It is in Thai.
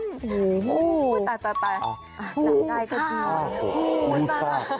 โอ้โฮแต่น้ำใกล้คือ๕เมตร